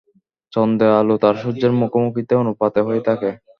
চন্দ্রের আলো তার সূর্যের মুখোমুখিতা অনুপাতে হয়ে থাকে।